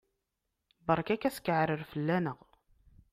Berka-k askeɛrer fell-aneɣ!